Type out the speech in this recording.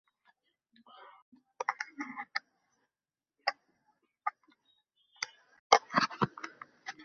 ফরাসী সৈন্যরা বেলজিয়াম দখল করে।